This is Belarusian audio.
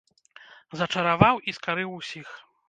Зачараваў і скарыў усіх!